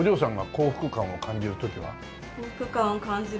幸福感を感じる時は。